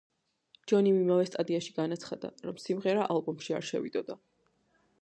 ჯონიმ იმავე სტატიაში განაცხადა, რომ სიმღერა ალბომში არ შევიდოდა.